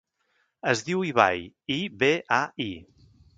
Es diu Ibai: i, be, a, i.